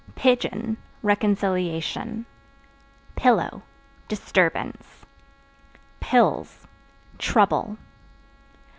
Pigeon Reconciliation. Pillow Disturbance. Pills Trouble.